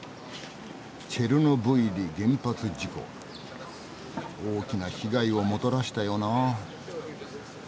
チェルノブイリ原発事故大きな被害をもたらしたよなあ。